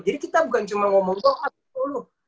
jadi kita bukan cuma ngomong doang kan